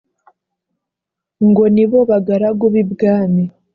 ngo : ni bo bagaragu b’ibwami